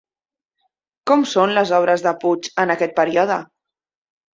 Com són les obres de Puig en aquest període?